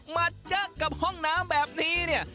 มาเจอกับห้องน้ำแบบนี้เนี่ย